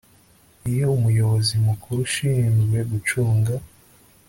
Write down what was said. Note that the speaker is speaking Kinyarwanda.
iyo umuyobozi mukuru ushinzwe gucunga